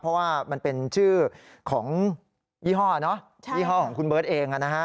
เพราะว่ามันเป็นชื่อของยี่ห้อยี่ห้อของคุณเบิร์ตเองนะฮะ